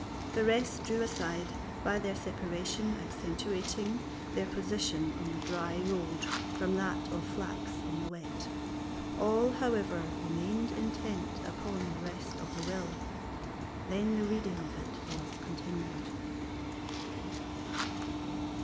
The rest drew aside, by their separation accentuating their position on the dry road from that of Flachs on the wet; all, however, remained intent upon the rest of the will. Then the reading of it was continued.